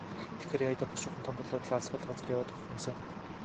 Тэгэхээр яая даа, бушуухан том болоод л алс хол газар яваад өгөх юм сан.